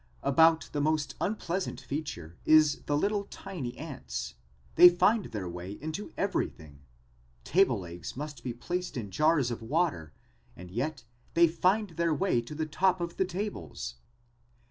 About the most unpleasant feature is the little tiny ants. They find their way into everything. Table legs must be placed in jars of water and yet they find their way to the top of the tables.